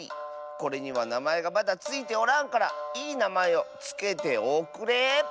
これにはなまえがまだついておらんからいいなまえをつけておくれ。